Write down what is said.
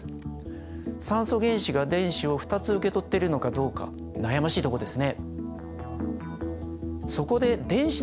酸素原子が電子を２つ受け取ってるのかどうか悩ましいとこですね。